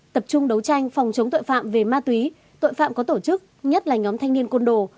tập trung đấu tranh phòng chống tội phạm về ma túy tội phạm có tổ chức nhất là nhóm thanh niên côn đồ